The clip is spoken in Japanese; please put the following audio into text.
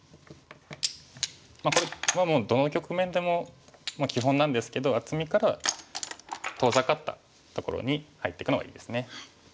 これはどの局面でも基本なんですけど厚みからは遠ざかったところに入っていくのがいいですね。